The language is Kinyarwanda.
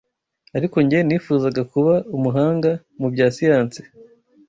Ariko jye nifuzaga kuba umuhanga mu bya siyansi